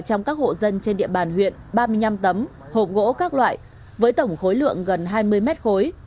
trong các hộ dân trên địa bàn huyện ba mươi năm tấm hộp gỗ các loại với tổng khối lượng gần hai mươi mét khối